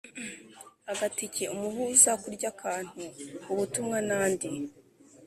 agatike, umuhuza, kurya akantu, ubutumwa n’andi.